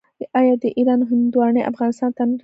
آیا د ایران هندواڼې افغانستان ته نه راځي؟